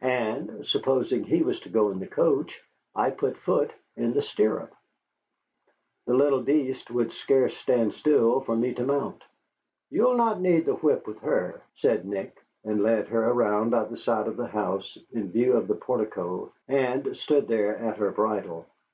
And, supposing he was to go in the coach, I put foot in the stirrup. The little beast would scarce stand still for me to mount. "You'll not need the whip with her," said Nick, and led her around by the side of the house, in view of the portico, and stood there at her bridle.